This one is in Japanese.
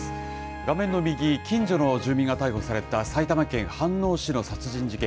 画面の右、近所の住民が逮捕された埼玉県飯能市の殺人事件。